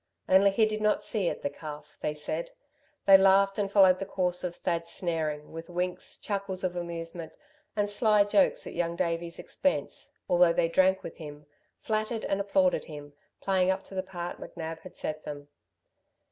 Only he did not see it, the calf, they said. They laughed and followed the course of Thad's snaring, with winks, chuckles of amusement, and sly jokes at Young Davey's expense, although they drank with him, flattered and applauded him, playing up to the part McNab had set them.